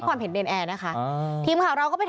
ทั้งหลวงผู้ลิ้น